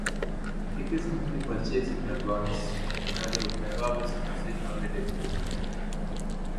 Tickets must be purchased in advance, via the Megabus website or by telephone.